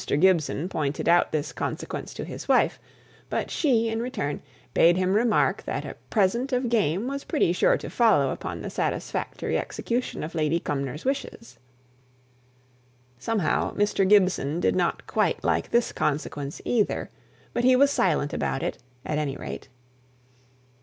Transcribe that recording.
Gibson pointed out this consequence to his wife; but she, in return, bade him remark that a present of game was pretty sure to follow upon the satisfactory execution of Lady Cumnor's wishes. Somehow, Mr. Gibson did not quite like this consequence either; but he was silent about it, at any rate.